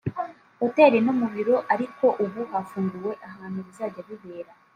hotel no mu biro ariko ubu hafunguwe ahantu bizajya bibera